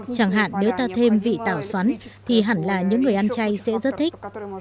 chẳng hạn nếu ta thêm vị tảo xoắn thì hẳn là những người ăn chay sẽ rất thích